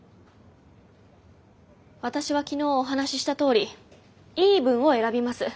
私は昨日お話ししたとおりイーブンを選びます。